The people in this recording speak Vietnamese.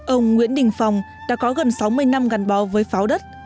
ông nguyễn đình phong đã có gần sáu mươi năm gắn bó với pháo đất